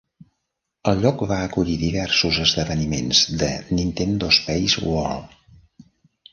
El lloc va acollir diversos esdeveniments de Nintendo Space World.